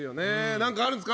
何かあるんですか？